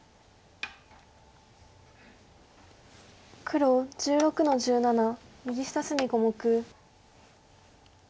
黒１６の十七右下隅小目。